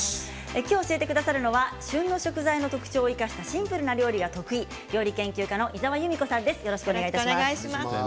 今日、教えてくださるのは旬の食材の特徴を生かしたシンプルな料理が得意料理研究家の井澤由美子さんです。